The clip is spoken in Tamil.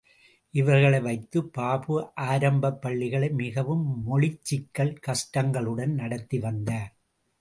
இவர்களை வைத்துப் பாபு ஆரம்பப் பள்ளிகளை மிகவும் மொழிச் சிக்கல் கஷ்டங்களுடன் நடத்தி வந்தார்.